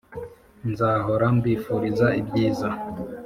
nzahora mbifuriza ibyiza